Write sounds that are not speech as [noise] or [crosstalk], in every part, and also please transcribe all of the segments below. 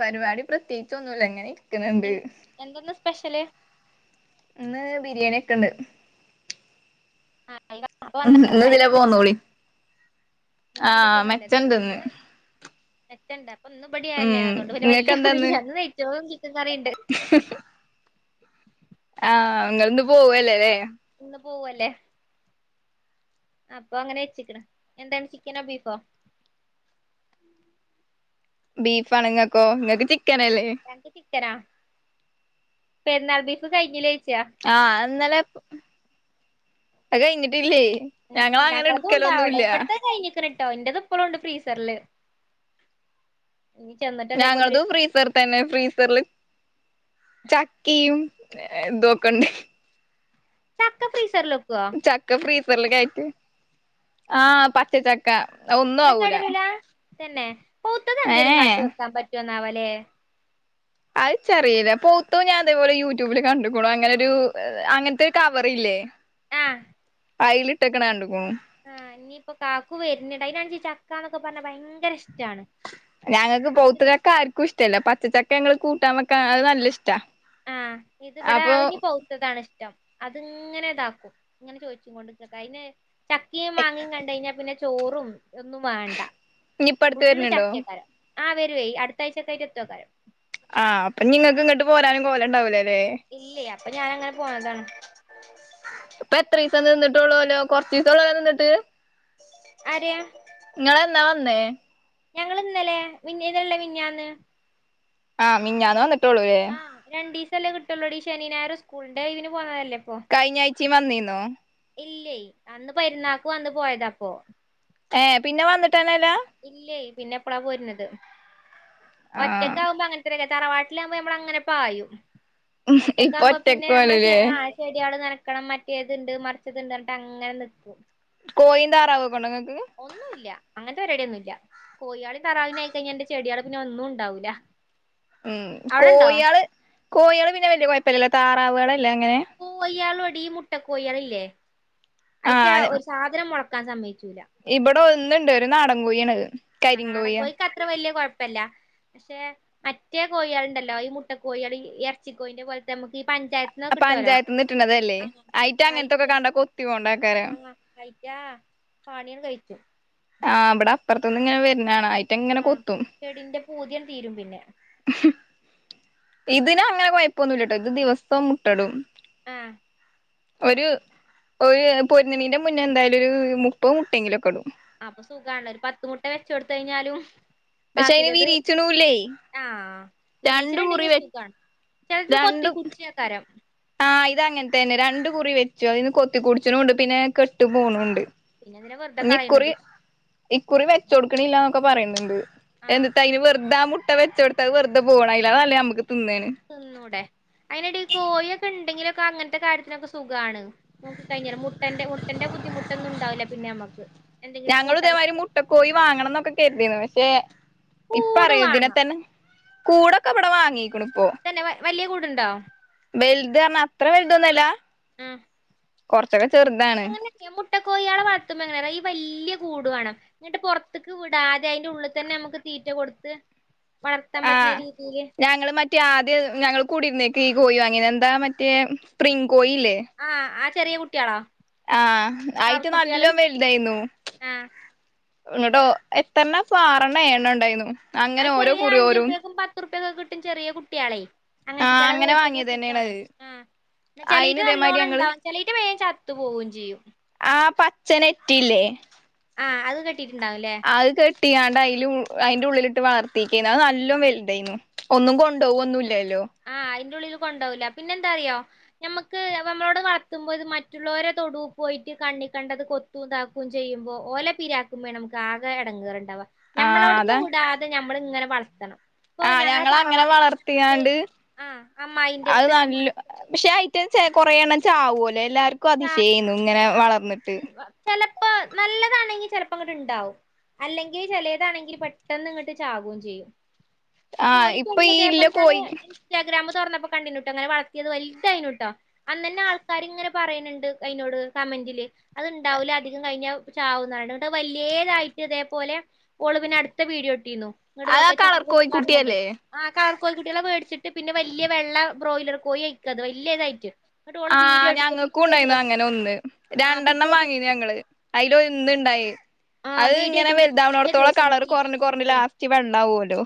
പരിപാടി പ്രത്യേകിച്ച് ഒന്നുമില്ല ഇങ്ങനെ ഇരിക്കുന്നുണ്ട് എന്തെന്ന സ്പെഷ്യല് ഇന്ന് ബിരിയാണി ഒക്കെ ഇണ്ട് ഉം ഇന്ന് ഇതിലാ പോന്നളി ഇന്നയില് ആഹ് മെച്ചമുണ്ട് ഇന്ന് ഞെറ്റണ്ട അപ്പൊ ഇന്ന് ഇവിടൊ തന്നെയാണ് അതുകൊണ്ട് പിന്നെ ഇങ്ങക്ക് വലിയ എന്താന്ന് ഇതില്ല അന്ന് നെയിച്ചോറും റിണ്ട് ആഹ് അങ്ങൊന്ന് പോവല്ലല്ലേ ഇന്ന് പോവല്ലേ അപ്പൊ അങ്ങനെ വച്ചിക്കണ് എന്താണ് ചിക്കനോ ബീഫോ. [inaudible] ബീഫ് ആണ് ങ്ങക്കോ ങ്ങക്ക് ചി ഞക്ക് ചിക്കനാ പെരുന്നാൾ ബീഫ് കയിഞ്ഞില്ലേ. ആഹ അഹന്നലെ അത് കയ്യ്ഞ്ഞിട്ടില്ലേ. ഉം ഞങ്ങളതും ഉണ്ട് അവിടെ ഇവിടുത്തെ കഴിഞ്ഞിക്കുണട്ടോ എന്റെത് ഇപ്പളുംണ്ട് പ്രീ സർൽ. ഞങ്ങളതു ഫ്രീസർ തന്നെ ഫ്രീസറില്. ചക്കിയും ദോക്കണ്ട്. ചാക്ക ഫ്രീസർലൊക്കോ. റിൽ കേറ്റി ആഹ പച്ചച്ചക്ക ഒന്നും എന്നാ ആവൂല. കേടരൂല തന്നെ പൗത്തത് എന്തേലും കാട്ടി ഏഹ് വെക്കാൻ പറ്റുമന്നാവല്ലേ. അത് ചെറയില്ല പൌത്തും ഞാൻ അതേപോലെ യൂട്യൂബില് കണ്ടക്കണു അങ്ങനെ ഒരു അങ്ങനത്തെ ഒരു കവർല്ലേ. ആ. അയിലിട്ടെക്കണ കണ്ട്ക്കണുന്ന്. ആഹ ഇനിയിപ്പൊ കാക്കു വരുന്നണ്ട്‌ അതിനാണെങ്കി ചക്കാന്നൊക്കെ പറഞ്ഞ ഭയങ്കര ഇഷ്ട. ഞങ്ങൾക്ക് പൗത്ത ചക്ക ആർക്കും ഇഷ്ടമല്ല പച്ചചക്ക ഞങ്ങള് കൂട്ടാൻ വെക്കാ അത് നല്ല ഇഷ്ടാ. ആഹ് ഇതിവിടെ അപ്പൊ ഞ്ഞഞ് പൗത്തതാണ ഇഷ്ടം. അത്ങ്ങനെ ഇതാക്കും ഇങ്ങനെ ചോദിച്ചും കൊണ്ട് ങ്ങനെ അയ്ന് ചക്കിയും മാങ്ങിയയും കണ്ട കഴിഞ്ഞാ പിന്നെ. ചോറും ഒന്നും മേണ്ട ഇനിയിപ്പ അടുത്ത് ഫുള്ള് വര്ന്ണ്ടോ ചട്കെയ്ക്കനേരം. ആ് വരുവേ അടുത്താഴ്ചകായിട്ട് ത്തേയ്ക്ക്കാരം. ആഹ് അപ്പം ഇനി ങ്ങൾക്ക് ഇങ്ങോട്ട് പോരാനും പോലണ്ടാവൂലലെ. ഇല്ലേ അപ്പൊ ഞാന അങ്ങനെ പോണതാണ്. ഇപ്പൊ എത്രീസം നിന്നിട്ടള്ളൂല്ലോ കൊറച്ച ദിവസംള്ളല്ല നിന്നിട്ട്. ആരയ. ങ്ങളെന്നാ വന്നേ. ഞങ്ങള് ഇന്നല്ലേ ഇന്നലല്ല മന്യാന്ന്. ആഹ മിഞ്ഞാന്ന് വന്നിട്ടോള്ളൂല്ലേ. ല്ലേ കിട്ടുള്ളൂടി ശനിഞായറും ഉസ്കൂളിന്റെ ഇതിന് പോണല്ലേ. കഴിഞ്ഞ ആഴ്ചീ വന്നീന്നോ. ഇല്ലേ അന്ന് പെരുന്നാക്ക് വന്ന് പോയത അപ്പോ. ഏ പിന്നെ വന്നിട്ടന്നെല്ല. ഇല്ലേ പിന്നെ എപ്പളാ പോരുന്നത് ഒറ്റക്ക ആഹ് ആകുമ്പോ അങ്ങനത്തെരെ. തറവാട്ടിലാവകുമ്പോ നമ്മള അങ്ങനെ പായും ഒറ്റൊക്കെ ഇപ്പൊ ആവുമ്പോ ഒറ്റക്ക് പിന്നെ നമ്മ പോവലല്ലേ ആ ചെട്യേൾ നാനാ ൽക്കണം മറ്റേതുണ്ട് മറിച്ചത്ണ്ടറിഞ്ഞിട്ട് അങ്ങനെ നിക്കും. കോയിതാറാവക്കണ്ടങ്ങക്ക്. ങ്ങത്തെപരിപാടിയൊന്നൂല്യ കോയാളി തറാവിനൊയായി കഴിഞ്ഞാ എന്റെ ചെടികള പിന്നെ ഒന്നും ഉണ്ടാവൂല. ഉം അവിടെണ്ടോ കോയാള് കോയാള് പിന്നെ വല്യ കുഴപ്പല്ലല്ലേ താറാവ്കളലെ അങ്ങനെ. ഇയാള്ളോടി മുട്ടകോയെളില്ലേ അയിറ്റ ആഹ് ഒരു സാധനം മുളക്കാൻ സമയ്. ഇവിടെ ഒന്നിണ്ട് ഒരു നാടൻകോയാണത്. ആ നാടൻ കൊയിക്ക് അത്ര വല്യ കൊഴപ്പല്ല. പക്ഷെ മറ്റേ കോഴികളണ്ടല്ലോ ഈ മുട്ട കോഴികൾ ഈ ഇറച്ചി കോഴിന്റെ പോലത്തെ മ്മക്ക്. പഞ്ചായത്ത്ന്നിട്ടണതല്ലേ അയിറ്റ അയിറ്റാങ്ങനത്തൊക്കെ കണ്ടാകൊത്തിയോണ്ടാക്കാര്. ആ പണിയൊക്കെ കയ്ച്ചു. ആഇവടെ അപ്പുറത്തൊന്ന് ഇങ്ങനെ വരി നാണ് അയ്റ്റങ്ങനെ ആഹ് കൊത്തും. ചെടിന്റെ പൂതിയങ്ങട് തീരും പിന്നെ ഇതിന് അങ്ങനെ കുഴപ്പൊന്നും ഇല്ലട്ടോ ഇത് ദിവസം മുട്ടടും. ആ ഒരു ഒരു പൊരുന്ന്ണീന്റെ മുന്നേ എന്തായാലും ഒരു മുപ്പയ് മുട്ടെങ്കിലൊക്കെ ഇടും. അപ്പൊ സുഖാണ് ഒരു പത്ത് മുട്ട വെച്ച് കൊട്ത്ത് കയിഞ്ഞാലും. പക്ഷെ അയിന് ബാക്കിലത് വിരീച്ച്ണൂല്ലേ ആ രണ്ട് വിരീച്ചിനെ കുറി ഇണ്ടെങ്കി വെ സുഖാണ്. ചെലത് കൊത്തി കുട്ച്ചെ എക്കാരം. ആ ഇത് അങ്ങൻത്തെന്നെ രണ്ട് കുറി വെച്ചു അയിന്ന് കൊത്തി കുട്ച്ച്നും ഇണ്ട് പിന്നെ കെട്ട് പോണും ഇണ്ട്. പിന്നെ എന്തിനാ വെർതെ കളിണെത്. ഇക്കുറി വെച്ചൊട്ക്ക്ണില്ല ഇന്നൊക്കെ പറിയിണ് ഇണ്ട്. ആഹ് എന്നിട്ട് അയിന് വെറുതെ ആ മു ട്ട വെച്ചൊട്ത്ത് അയ് വെറുതെ പോവാണ് അയിലാറെ നല്ലെ അമ്മക്ക് തിന്നൂടെ അയിനെടി കോഴിയൊക്കെ ഇണ്ടെങ്കിൽ ക്ക് അങ്ങൻത്തെ കാര്യത്തിനൊക്കെ സുഖാണ് നോക്കി കഴിഞ്ഞാൽ മുട്ടന്റെ മുട്ടന്റെ ബുദ്ധിമുട്ടൊന്നും ഇണ്ടാവുലാ പിന്നെ നമ്മക്ക്. എന്തെങ്കിലും ഞങ്ങളും കൂട്ടാനും ഇതേമായിരി മുട്ട കോഴി കാര്യങ്ങൾക്കും വാങ്ങണം ഇന്നൊക്കെ കെര്തിന്നു പക്ഷെ. ഇപ്പ കൂട് അറിയും ഇതിനെ വാണം തന്നെ കൂടൊക്കെ അവ്ടെ വാങ്ങിക്കുണു. തന്നെ വല്ലിയ കൂട് ഇണ്ടോ. വെൽത് അർണാ അത്ര വെൽതൊന്നു അല്ല. ഉം കൊർച്ചൊക്കെ ചെർതാണ്. കോഴിയാളെ വൾത്തുമ്പ എങ്ങനെ അറിയോ ഈ വല്ലിയ കൂട് വാണം ഇന്നട്ട് പൊർത്ത്ക്ക് വിടാതെ അയിന്റെ ഉള്ള് തന്നെ നമുക്ക് തീ തീറ്റ കൊട്ത്ത്. ആ ഞങ്ങൾ മറ്റേ ആദ്യം ഞങ്ങൾ കൂടിര്ന്നേ. ക്കി കോഴി വാങ്ങിനി എന്താ മറ്റേ സ്പ്രിങ് കോഴി ഇല്ലേ. ചെറെ കുട്ടിയാളോ. ആ അയിറ്റ നല്ലോം വെൽതായിന്നു. ആഹ് ഇങ്ങട്ടോ എത്രണ്ണാപ്പം ആറെണ്ണം ഏഴണ്ണോ ഇണ്ടായിന്നു. അയ് ചെറിയ അഞ്ചുർപേക്കും പത്തുർപേക്കും ഒക്കെ കിട്ടും ചെറിയ കുട്ടിയാളെ ആഹ് അങ്ങൻത്തിറ്റാളെ അങ്ങനെ വേട്ച്ച് കഴിഞ്ഞാ വാങ്ങിയത് സുഖാണ് തന്നെയാണത് ആ ന്നാ അയിന് ചെലെയ്റ്റ ഇതേമാതിരി നല്ലോണം ഞങ്ങള് ഇണ്ടാവും ചെലെയ്റ്റ വേംചത്ത് പോവും ചെയ്യും. ച്ച് ആ നെറ്റ് യില്ലെ ആ അത് ക അയ് കെട്ടിയാണ്ട് അയിലു അയിന്റെ ഉള്ളിൽ ഇ ഇന്നട്ട് വളർത്തിക്ക്ണ് അയ് നല്ലോം വെൽതെന്നു ഒന്നും കൊണ്ടൊവൊന്നും ഇല്ലല്ലോ. ന്റെ ഉള്ളിൽ കൊണ്ടോവൂലാ. പിന്നെ എന്താറിയോ ഞമ്മക്ക് അപ്പ അമ്മളോടെ അയ് വളർത്തുമ്പോ ഇത് മറ്റുള്ളൊരെ തൊടു പോയിട്ട് കണ്ണി കണ്ടത് കൊത്തും ഇതാക്കും ചെയ്യുമ്പോ ഓലെ പിരാക്കും വേണം നമ്മക്ക് ആകെ എടങ്ങെർ ഇണ്ടാവ ആഹ് ഞമ്മളോട്ന്ന് അതാ വുടാതെ ഞമ്മൾ ഇങ്ങനെ വളർത്തണം. ഇപ്പൊ ഞങ്ങളെ തറവാടിന്റെ അട്ത്ത്. ത്ത് അയ് നല്ലൊ പക്ഷെ ഐറ്റം കൊറെ എണ്ണം ചാവുലെ എല്ലാ ര്ക്കും അതിശയെന്നു ഇങ്ങനെ വളർന്ന്ട്ട്. ഇപ്പ നല്ലതാണെങ്കി ചെലപ്പം ഇങ്ങട്ട് ഇണ്ടാവും. അല്ലെങ്കിൽ ചെലെതാണെങ്കിൽ പെട്ടന്ന് ഇങ്ങട്ട് ചാകും ചെയ്യും. ഇപ്പൊ ആഹ് ഒര് പെണ്ണ് ഈ ഇല്ല ഇതേപോലെ ഞാന് കോയി ഇൻസ്റ്റാഗ്രാമ് തൊർന്നപ്പോ കണ്ടിനുട്ടോ ഇങ്ങനെ വളർത്തിയെത് വൽതെയിനുട്ടോ അന്നെന്നെ ആൾക്കാർ ഇങ്ങനെ പറിയിണ് ഇണ്ട് അയിനോട് കമന്റിൽ അത് ഇണ്ടാവൂലാ അധികം കഴിഞ്ഞാ അയ് ചാവുംന്ന് പറിണ്ട് ഇന്നട്ട് അയ് വല്ലെതായി ട്ട് ഇതേപോലെ ഓൾ പിന്നെ അട്ത്ത വീഡിയോ ഇട്ടിന്നു. ഇങ്ങട്ട് അത് ആ നോക്കെ കളർ ചാകുംന്ന് പർണത് കോഴിക്കുട്ടിയല്ലേ ആ കളർ കോഴി കുട്ടിളെ വേട്ച്ച് ട്ട് പിന്നെ വല്ലിയെ വെള്ള ബ്രോയിലർ കോയി അയിക്ക അത്‌ വല്ലെതായിറ്റ് ഇങ്ങട്ട് ഓള് വീഡിയോ [unintelligible] ക്കുണ്ടായിന്നു അങ്ങനെ ഒന്ന് ആ രണ്ടെണ്ണം പിറ്റേ വാങ്ങിനു ദിവസം ഞങ്ങൾ അയില് ഒന്ന് ഇണ്ടായി. ആ അയ് വീഡിയോ ഇങ്ങനെ ഇട്ടീന്റെ പിറ്റേ വെൽതാവ്ണോട്ത്തോളം ദിവസണ്ട് കളറ് കൊർൺ കൊർൺ ടീച്ചർ ലാസ്റ്റ് വെള്ളാവോലോ.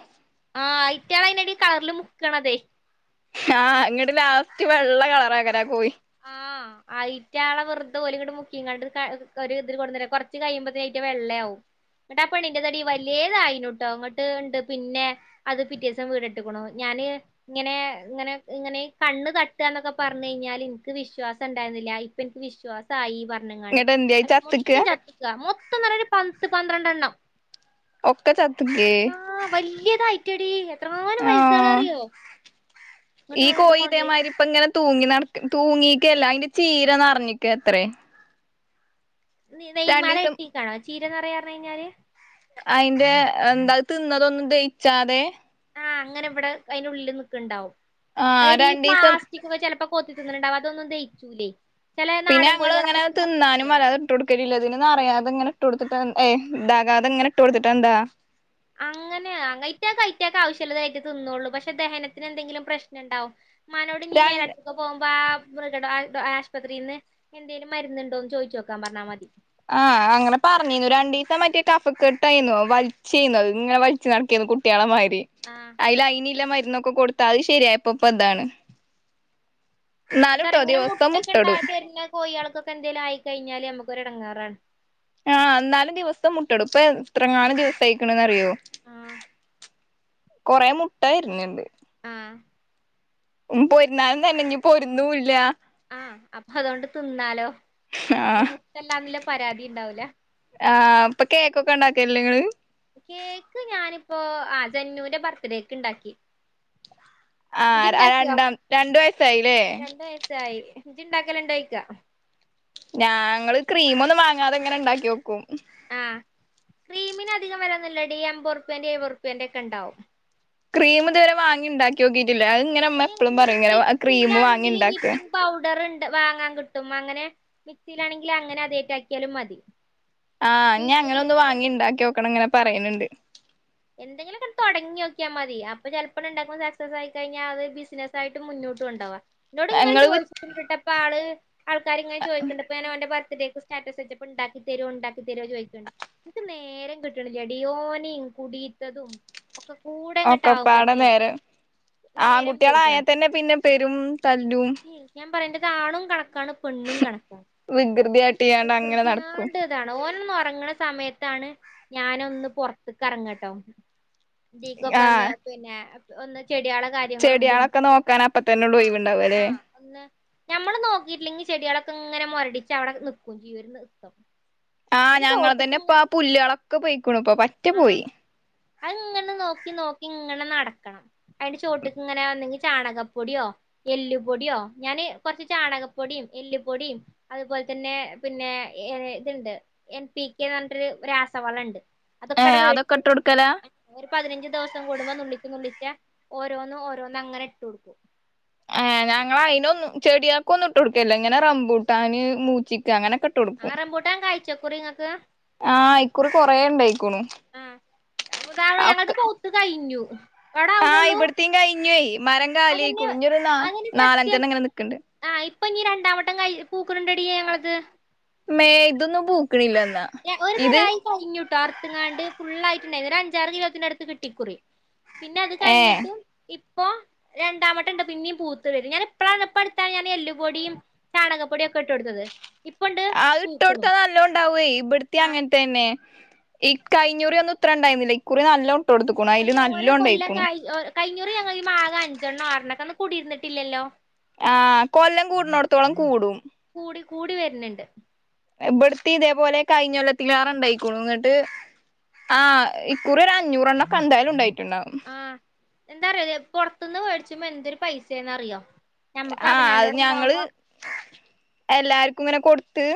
ആ ഇറ്റളെ അയിനെടി കളർൽ മുക്കാണ് അതെ ആ ഇങ്ങട്ട് ലാസ്റ്റ് വെള്ള കളർ ആക്കാരം ആ കോഴി ആഹ് അയിറ്റാളെ വെറുതെ ഓര് ഇങ്ങട് മുക്കി ഇങ്ങാണ്ട് ക ഒരു ഇതില് കൊണ്ടോന്ന് വരും കൊറച്ച് കഴിയുമ്പ [unintelligible] [unintelligible] വെള്ളയാവും. എന്നിട്ട് ആ പെണ്ണിന്റെ തടി വല്യേതായിനുട്ടോ അങ്ങട്ട് ഇണ്ട് പിന്നെ അത് പിറ്റേ ദിവസം വീട് ഇട്ടിക്കണു ഞ ഞാന് ഇങ്ങനെ ഇങ്ങനെ ഇങ്ങനെ കണ്ണ് തട്ടുക എന്നൊക്കെ പറഞ്ഞു കഴിഞ്ഞാല്. [unintelligible] വിശ്വാസം ഉണ്ടായിരുന്നില്ല. ഇപ്പ എനിക്ക് വിശ്വാസായി പറഞ്ഞുങ്ങാണ്ട് ഇങ്ങട്ട് എന്ത്യേ ചത്ത്ക്കാ മൊത്തം [unintelligible] മൊ [unintelligible] പറയണേ പത്ത് പന്ത്രണ്ട് എണ്ണം. ഒക്കെ [unintelligible] [unintelligible] വയസ്സുകളാ ആഹ് അറിയോ? ഈ കോയീടേ മരിപ്പ് ഇങ്ങനെ തൂങ്ങി നടക്ക് തൂങ്ങി [unintelligible] അയിന്റെ ചീര നെറഞ്ഞിക്ക് അത്രെ നെ നെയ് മല [unintelligible] ചീര നെറയാ [unintelligible] കഴിഞ്ഞാല്.? അയിന്റെ എന്താ അത് തിന്നതൊന്നും ദഹിച്ചാതെ ആഹ് അങ്ങനെ വടെ അയ്നുള്ളില് നിക്ക്ണ്ടാവും. ആഹ് എടി രണ്ടീസം പ്ലാസ്റ്റികൊക്കെ ചെലപ്പൊ കൊത്തിത്തിന്നണണ്ടാവും അതൊന്നും ദയിക്കൂലെയ് പിന്നെ ങ്ങള്ങ്ങനെ തിന്നാനും വല്ലാതെട്ടൊട്ക്കലില്ല ഇതിന് നറയാതെങ്ങനെ ട്ടൊട്ത്ത്ട്ട് ഏയ് ഇതാകാതെങ്ങനെ ട്ടൊട്ത്ത്ട്ടെന്താ അങ്ങനാ അയ്റ്റ്യേക്ക് അയ്റ്റ്യേക്കാവശ്യള്ളതെ അയ്റ്റ തിന്നോളൂ പക്ഷെ ദഹനത്തിനെന്തെങ്കിലും പ്രശ്നണ്ടാവും. ഇമ്മാനോട്‌ ഞ് മേല [unintelligible] രണ്ട് ക്ക് പോവുമ്പ മൃഗ ടാ ആയ്ട ആശ്പത്രിന്ന് എന്തേലും മര്ന്ന്ണ്ടോ ന്ന് ചോയ്ച്ചോക്കാം പർഞ്ഞാ മതി. ആഹ് അങ്ങനെ പർഞ്ഞീന്നു രണ്ടീസം മറ്റേ കഫ കെട്ടായ്ന്നു വൽച്ചെയ്നത് ഇങ്ങനെ വൽച്ച് നടക്കേ കുട്ട്യേളമായി ട്ടി ആഹ് അയില് അയ്ന് ല്ലെ മര്ന്നൊക്കെ കൊടുത്താത് ശെരിയായപ്പൊപ്പ താണ്. എന്താ റ്യോ ഇങ്ങനെ മുട്ടക്കെണ്ട തെര്നെ കോയാൾക്കൊക്കെ എന്തേലു ആയിക്കഴിഞ്ഞാല് അമ്മക്ക് ഒരെടങ്ങേറാണ്. ആഹ് ആഹ് എന്നാലും ദിവസം മുട്ട ടും ഇപ്പ എത്ര ങ്ങാനും ദിവസയ്ക്ണ്ന്ന റ്യോ. ആഹ് കൊറെ മുട്ടയിര്ഞ്ഞ്ണ്ട്. ആഹ് ഉം പൊരുന്നാലും തെന്നെ ഇഞ് പൊര്ന്നൂല്ല. ആഹ് അപ്പതൊണ്ട് തിന്നാലോ. ഇനി ആഹ് മുട്ടല്ലാന്ന് ല്ലെ പരാതിണ്ടാവൂല കൊക്കണ്ടാക്കല്ലേ ങ്ങള്? കേക്ക് ഞാനിപ്പോ ആ സെന്നുന്റെ ബർത്ത്ഡേക്ക് ണ്ടാക്കി. ആഹ് അ രണ്ടാം രണ്ട് വയസായിലെ? യ്യ് ണ്ടാക്കല്ണ്ടോയ്ക്കാ. ഞങ്ങള് ക്രീമൊന്നും മാങ്ങാതെങ്ങെനെണ്ടാക്ക്യോക്കും. ആഹ് ക്രീമിന് അധിക വെല്ലെന്നുല്ലെടി എംമ്പോർപ്യൻ്റിം എഴ് വോർപ്യൻ്റൊക്കെണ്ടാവും. ക്രീമ്ത് വരെ വാങ്ങിണ്ടാക്ക്യോക്കി ഇല്ലാ അത് ഇങ്ങനെ അതിന് മ്മപ്പളും ഈ പറയും ഇങ്ങനെ അ ക്രീം വാങ്ങിണ്ടാക്ക വാങ്ങാ കിട്ടും അങ്ങനെ മിക്സിലാണെങ്കി അങ്ങനെ അതേക്കാക്കിയാലും മതി. ആഹ് ഞ്ഞി ങ്ങനൊന്ന് ബീറ്ററില്ലെങ്കില് വാങ്ങിണ്ടാക്കി ഓക്കണം ഇങ്ങനെ പറയ്ണ് ണ്ട്. എന്തങ്കിലും തൊടങ്ങി ഒക്ക്യമതി അപ്പോ ചെലപ്പോ ണ്ടാക്കുന്ന സക്സസ് ആയി കഴിഞ്ഞാ അത് ബിസിനസ്സ് ആയിട്ട് മുന്നോ ട്ട്ണ്ടാവാ എന്നോട് ഇങ്ങനെ ഞങ്ങള് വി ചോദിച്ച്ണ്ടട്ടാ അപ്പ ആള് ആൾക്കാര്ങ്ങനെ ചോദിക്കണ്ട് പ്പൊ [unintelligible] ബർത്ത്ഡേ സ്റ്റാറ്റസ് വെച്ചപ്പൊണ്ടാക്കി തെരോ ണ്ടാക്കി തെരോ ചോദിക്ക്‌ണ്ട് നിക്ക് നേരം കിട്ട്ണ്ല്ലെടി ഓന് കുടിത്തതും ഒക്കപ്പാടെ നേരം നേരം ആൺകുട്ട്യേളയാ വൈകാണ് തന്നെ പിന്നെ പെരും തല്ലും ഞാൻ പറയെന്റെ ആണും കണ ക്കാണ് പെണ്ണും കണക്കാ വികൃതി കാട്ടിയാണ്ട് അങ്ങനെ വികൃതി നടക്കും ആണ്ട് താണ് ഓന് ഒറങ്ങണ സമയത്താണ് ഞാനൊന്ന് പൊറ്ത്ത്ക്ക് എറങ്ങട്ടോ ദീക്കൊക്കന്ന് പിന്നെ ഒന്ന് ചെടികളെ കാര്യങ്ങളും ഇതും ചെടിളൊക്കെ ഒക്കെ നോക്കാനപ്പത്തന്നെ ആ ഓയിവ്ണ്ട ആ അന്ന് ഞമ്മള് നോക്കിട്ട്ല്ലങ്കി ചെടിളൊക്കെ ങ്ങനെ മൊരടിച്ച് അവ്ടെ നിക്കും ചെയ്യും ഒരു നിർത്തം. ആ അതിന്റെ ഞങ്ങള ചോട്ടിക്ക് തന്നെ ഇപ്പ ഇങ്ങനെ ആ പുല്ലെളൊക്കെ പോയിക്ക്‌ണു ഇപ്പ പറ്റേ പോയി. അ ഇങ്ങനെ നോക്കി നോക്കി ഇങ്ങനെ നടക്കണം അയിന്റെ ചോട്ട്ക്ക് ഇങ്ങനെ ന്തേങ്കി ചാണകപ്പൊടിയോ എല്ലുപൊടിയോ ഞാന് കൊറച്ച് ചാണകപ്പൊടീം എല്ല്പൊടീം അതുപോൽ തന്നെ പിന്നെ ഇതുണ്ട് എൻ പി കെ ന്ന് പറഞ്ഞിട്ടൊരു രാസവളം ഉണ്ട് അതൊക്കെ അവിടെ ഏഹ് വേടിച്ച് ഇട്ട് കൊടുക്കലാ വെച്ചേക്കുവാണ് ഒരു പതിനഞ്ച് ദിവസം കൂടുമ്പോ നുള്ളിച്ച് നുള്ളിച്ച് ച്ച് ഓരോന്ന് ഓരോന്ന് അങ്ങനെ ഇട്ട് കൊടുക്കും ആ ഞങ്ങൾ അതിനൊന്നും ചെടികൾക്ക് ഒന്നും ഇട്ട് കൊടുക്കില്ല ഇങ്ങനെ റംമ്പൂട്ടാന് മൂച്ചിക്ക് അങ്ങനെ ആ ഇട്ടുകൊടുക്കും റംബൂട്ടാൻ കായ്ച്ചക്കുറി ഇങ്ങക്ക് ആ ഇക്കുറി കൊറേ ഇണ്ടായി ആ ഉദാണ ഞങ്ങൾക്ക് പൂത്ത് കഴിഞ്ഞു ഇവിടെ ആ ആവണള്ളൂ ഇവിടത്തേം കയിഞ്ഞുപോയി മരം കാലിയായി അതന്നെ കുറഞ്ഞൊരു നാ അതിന് സത്യം നാലഞ്ചെണ്ണം അങ്ങനെ നിക്കണ്ട് ആഹ് ഇപ്പൊ ഇനി രണ്ടാവട്ടം കയ് പൂക്കണുണ്ടോടിയെ ഞങ്ങളത് മേ ഇതൊന്നും പൂക്ക് ഞ ഒരു തരായി കഴിഞ്ഞൂട്ടോ എടുത്തെങ്ങാണ്ട് ഫുള്ള് ആയി ഇതൊരു അഞ്ചാറ് കിലോത്തിന്റെടുത്ത് കിട്ടി ഇക്കുറി പിന്നെ അത് ഏഹ് കഴിഞ്ഞിട്ടും ഇ ഇപ്പോ രണ്ടാവട്ടം ഉണ്ട് പിന്നെയും പൂത്ത് വരും ഞാൻ ഇപ്പഴാണ് ഇപ്പ അടുത്താണ് ഞാൻ എല്ലുപൊടിയും ചാണകപ്പൊടിയൊക്കെ ഇട്ട് കൊടുത്തത് ഇപ്പണ്ട് പൂക്കുണു ഇവിടുത്തേം അങ്ങനത്തെ തന്നെ ഈ കഴിഞ്ഞകുറി ഒന്നും ഇത്രേം ഉണ്ടായിരുന്നില്ല ഇക്കുറി നല്ലോ അതിന് ഓരോ കൊല്ലം ക കഴിഞ്ഞകുറി ഞങ്ങൾ ഈ മാതകം അഞ്ചെണ്ണം ആറെണ്ണം ഒക്കെന്ന് കുടിയിരുന്നിട്ടില്ലല്ലോ ത്തോളം കൂടും കൂടി കൂടി വരുന്നുണ്ട് ഇവിടത്തെ ഇതേപോലെ കഴിഞ്ഞ കൊല്ലത്തിലേറെണ്ടായിക്കോണു എന്നിട്ട് ആ ഇക്കുറി ഒരു അഞ്ഞൂറെണ്ണം ഒക്കെ എന്താലും ഉണ്ടായിട്ടുണ്ടാവും ആഹ് എന്താറിയോ പൊറത്തുന്ന് മേടിച്ചുമ്മൊ എന്തൊരു പൈസയാന്നറിയോ ആ അത് ഞങ്ങള് എല്ലാർക്കും ഇങ്ങനെ കൊടുത്ത്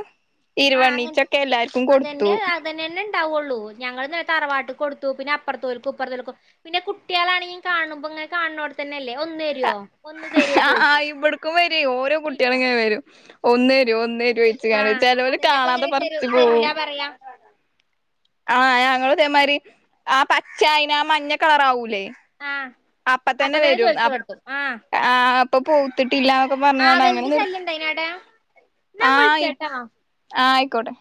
ആഹ് അങ്ങനെ ഇരുവണ്ണീച്ചൊക്കെ എല്ലാർക്കും കൊടുത്തു ണ്ടാവുള്ളൂ ഞങ്ങൾ ദേ തറവാട്ടി കൊടുത്തു പിന്നെ അപ്പറത്തോൽക്കും ഇപ്പറത്തോൽക്കും പിന്നെ കുട്ടികളാണെങ്കി കാണുമ്പ കൾ കാണുന്നോടുത്തന്നെല്ലേ ഒന്ന് തരുവോ ഒന്ന് തരുവോ ആ ചോദിക്കും ഇവിടക്കും വരും ഓരോ കുട്ടികള് ഇങ്ങനെ വരും ഒന്ന് തരോ ഒന്ന് ന്ന് ചോദിച്ച് ആഹ് ചെലവർ അതന്നെ അപ്പൊ കാണാതെ എങ്ങനെ തരു പറിച്ചു തരൂല പോകും പറയാ ആ ഞങ്ങളു ഇതേമാതിരി ആ പച്ച അയിന് ആ മഞ്ഞ കളറാവൂല്ലേ ആഹ് അപ്പ അപ്പൊ തന്നെ വരും അ ചോദിച്ചു കൊടുത്തു ആഹ് അപ്പൊ പൂത്തിട്ട് ട്ടില്ലാന്നൊക്കെ പറഞ്ഞോണ്ട് അങ്ങനെ ആവലിന്റെ നിർ ശല്യം ഇണ്ടായിനോ അവിടെ എന്നാ ആ വിളിച്ചേട്ടോ ആ ക്കൊടെ